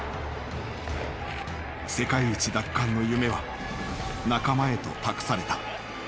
世界一奪還の夢は仲間へと託された。